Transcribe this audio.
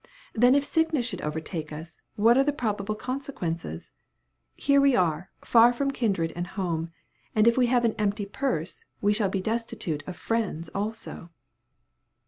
Then if sickness should overtake us, what are the probable consequences? Here we are, far from kindred and home; and if we have an empty purse, we shall be destitute of friends also."